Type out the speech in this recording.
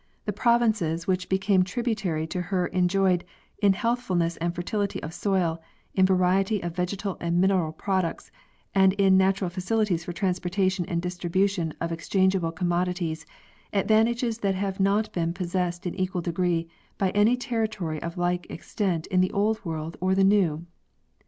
The prov inces which became tributary to her enjoyed, in healthfulness and fertility of soil, in variety of vegetal and mineral products, and in natural facilities for transportation and distribution of exchangeable commodities, advantages that have not been pos: sessed in equal degree by any territory of like extent in the Old World or the New.